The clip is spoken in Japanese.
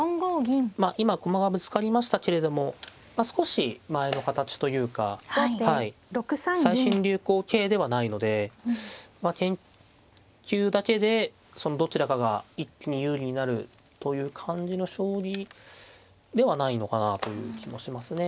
まあ今駒がぶつかりましたけれども少し前の形というか最新流行型ではないので研究だけでそのどちらかが一気に有利になるという感じの将棋ではないのかなという気もしますね。